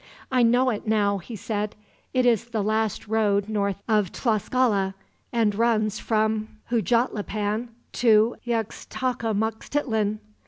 "I know it, now," he said. "It is the last road north of Tlascala, and runs from Huejotlipan to Yxtacamaxtitlan.